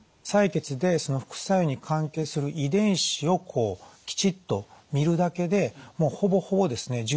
採血でその副作用に関係する遺伝子をこうきちっと見るだけでほぼほぼですね